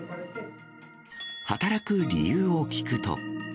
働く理由を聞くと。